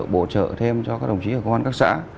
bổ trợ thêm cho các đồng chí ở công an các xã